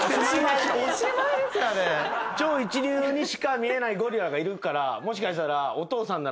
超一流にしか見えないゴリラがいるからもしかしたら。